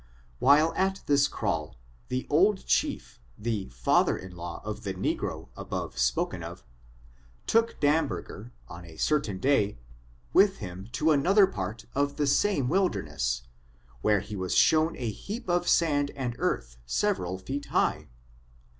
While at this krall, the old chief, the father in law of the negro above spoken of, took Damberger, on a certain day, with him to an other pa*t of the same wilderness, where he was ^1^^^^^^^^^^^% FORTUNES, OF THE NEGRO RACE. 199 shown a heap of sand and earth several feet high.